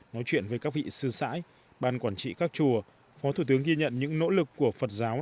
nói chuyện với các vị sư sãi ban quản trị các chùa phó thủ tướng ghi nhận những nỗ lực của phật giáo